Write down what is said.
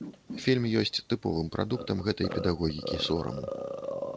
Фільм ёсць тыповым прадуктам гэтай педагогікі сораму.